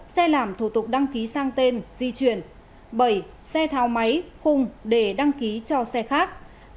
bảy xe thao máy khung để đăng ký cho xe khác